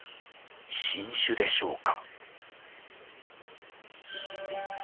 新種でしょうか？